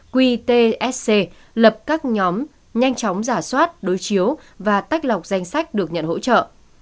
qtsc lập các nhóm nhanh chóng giả soát đối chiếu và tách lọc danh sách được nhận hỗ trợ